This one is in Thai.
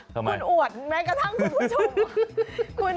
คุณอวดแม้กระทั่งคุณผู้ชม